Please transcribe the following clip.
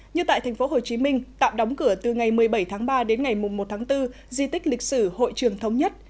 như tại tp hcm tạm đóng cửa từ ngày một mươi bảy tháng ba đến ngày một tháng bốn di tích lịch sử hội trường thống nhất